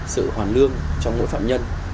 sự hoàn lương cho mỗi phạm nhân